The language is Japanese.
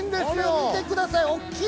見てください。